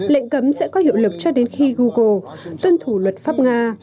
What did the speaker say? lệnh cấm sẽ có hiệu lực cho đến khi google tuân thủ luật pháp nga